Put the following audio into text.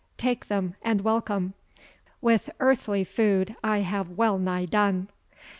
Take them, and welcome. With earthly food I have wellnigh done."